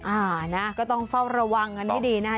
อ่านะก็ต้องเฝ้าระวังกันให้ดีนะคะ